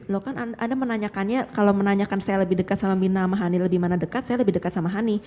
loh kan anda menanyakannya kalau menanyakan saya lebih dekat sama mirna sama hani lebih mana dekat saya lebih dekat sama hani